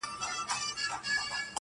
ستا خړي سترگي او ښايسته مخ دي